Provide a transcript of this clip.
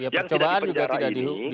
yang tidak dipenjara ini